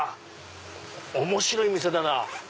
面白い店だな。